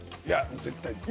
いや絶対。